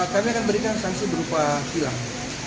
kami akan berikan sanksi berupa kilang